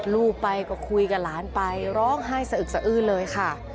ลูกไปก็คุยกับหลานไปร้องไห้สะอึกสะอื้นเลยค่ะ